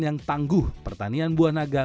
yang tangguh pertanian buah naga